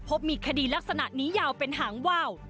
มีคดีลักษณะนี้ยาวเป็นหางว่าว